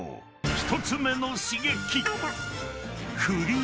［１つ目の刺激］